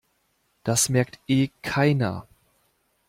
Das merkt eh keiner.